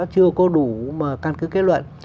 chưa có đủ mà căn cứ kết luận